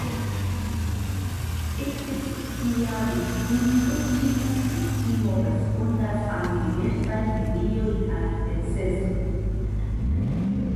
Ekde socia vidpunkto tiu kutimo respondas al diversaj medioj kaj necesoj.